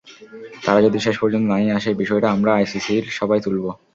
তারা যদি শেষ পর্যন্ত না-ই আসে, বিষয়টা আমরা আইসিসির সভায় তুলব।